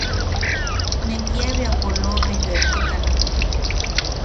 Ne kiabea polobe yoemtukan.